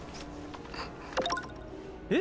え？